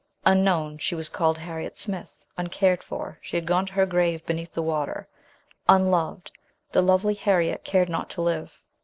Unknown, she was called Harriet Smith ; uncared for, she had gone to her grave beneath the water unloved, the lovely Harriet cared not to live.